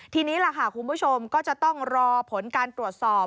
ทีนี้ล่ะค่ะคุณผู้ชมก็จะต้องรอผลการตรวจสอบ